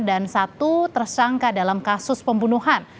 satu tersangka dalam kasus pembunuhan